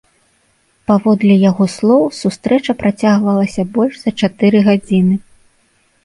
Паводле яго слоў, сустрэча працягвалася больш за чатыры гадзіны.